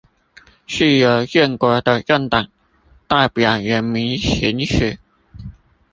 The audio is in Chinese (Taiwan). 是由建國的政黨代表人民行使